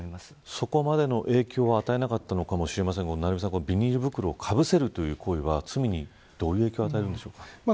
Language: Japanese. そこまでの影響を与えなかったかもしれませんがビニール袋をかぶせるという行為はどのように罪に影響しますか。